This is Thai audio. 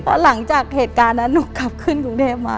หลังจากเหตุการณ์นั้นหนูกลับขึ้นกรุงเทพมา